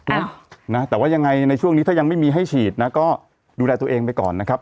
นะนะแต่ว่ายังไงในช่วงนี้ถ้ายังไม่มีให้ฉีดนะก็ดูแลตัวเองไปก่อนนะครับ